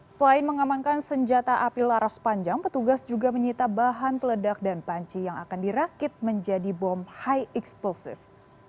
selain mengamankan senjata api laras panjang petugas juga menyita bahan peledak dan panci yang akan dirakit menjadi bom high explosive